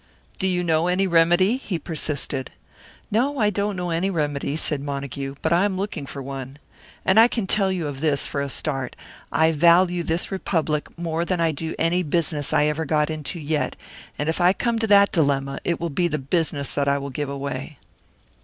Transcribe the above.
"Do you know any remedy?" he persisted. "No, I don't know any remedy," said Montague, "but I am looking for one. And I can tell you of this, for a start; I value this Republic more than I do any business I ever got into yet; and if I come to that dilemma, it will be the business that will give way."